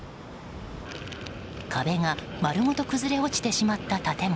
壁が丸ごと崩れ落ちてしまった建物。